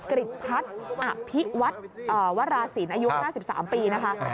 กฤทธิ์พิวัตรวราศิลป์อายุ๕๓ปีนะคะ